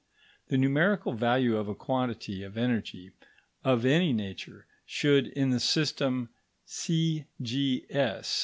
The numerical value of a quantity of energy of any nature should, in the system C.G.S.